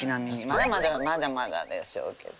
まだまだまだまだでしょうけど。